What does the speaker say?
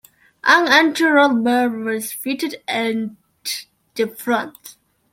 An anti-roll bar was fitted at the front.